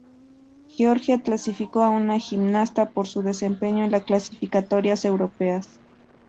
Georgia clasificó a una gimnasta por su desempeño en las clasificatorias europeas.